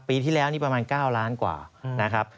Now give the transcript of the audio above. ปีที่แล้วนี่ประมาณ๙ล้านกว่านะครับ